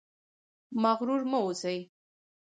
مغرور مه اوسئ